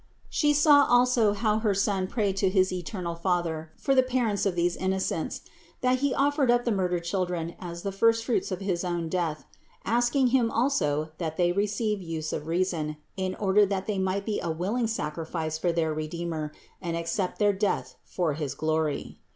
She saw also how her Son prayed to his eternal Father for the parents of these innocents; that THE INCARNATION 577 He offered up the murdered children as the first fruits of his own Death ; asking Him also that they receive the use of reason, in order that they might be a willing sac rifice for their Redeemer and accept their death for his glory.